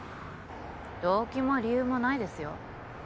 動機も理由もないですよ